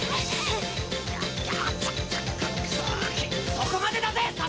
そこまでだぜ佐助！